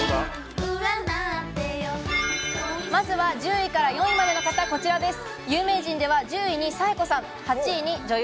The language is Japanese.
まずは１０位から４位までの方、こちらです。